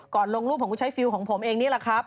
ก่อนลงรูปของผู้ชายฟิลล์ของผมเองนี่แหละครับ